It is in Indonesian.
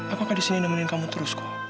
aku akan disini nemenin kamu terus kok